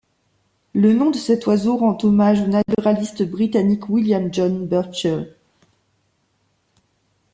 Le nom de cet oiseau rend hommage au naturaliste britannique William John Burchell.